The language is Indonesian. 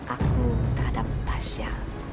aku terhadap tasya